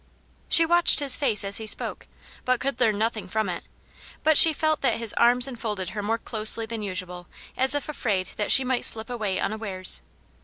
She watched his face as he spoke, but could learn nothing from it, but she felt that his arms enfolded her more closely than usual, as if afraid that she might slip away unawares.